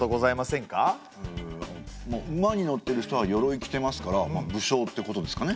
ん馬に乗ってる人はよろい着ていますから武将ってことですかね。